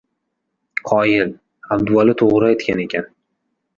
Qoyil! Abduvali to‘g‘ri aytgan ekan!